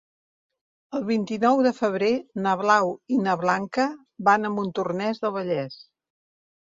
El vint-i-nou de febrer na Blau i na Blanca van a Montornès del Vallès.